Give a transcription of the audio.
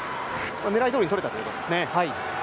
狙いどおりにとれたということですね。